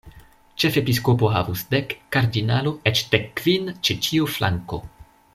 Ĉefepiskopo havus dek, kardinalo eĉ dekkvin ĉe ĉiu flanko.